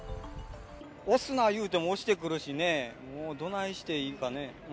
押すな言うても押してくるしね、どないしていいんかね。